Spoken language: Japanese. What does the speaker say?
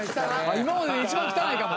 今までで一番汚いかも。